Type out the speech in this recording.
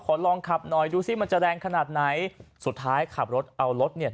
ลองขับหน่อยดูสิมันจะแรงขนาดไหนสุดท้ายขับรถเอารถเนี่ย